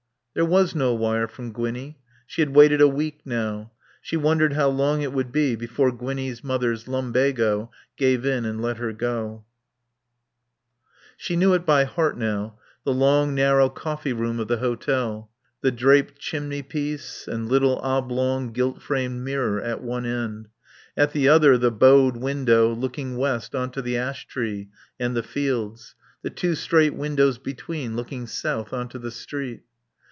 There was no wire from Gwinnie. She had waited a week now. She wondered how long it would be before Gwinnie's mother's lumbago gave in and let her go. She knew it by heart now, the long, narrow coffee room of the hotel. The draped chimney piece and little oblong gilt framed mirror at one end; at the other the bowed window looking west on to the ash tree and the fields; the two straight windows between, looking south on to the street.